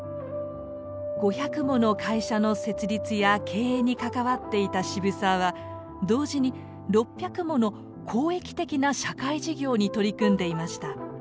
５００もの会社の設立や経営に関わっていた渋沢は同時に６００もの公益的な社会事業に取り組んでいました。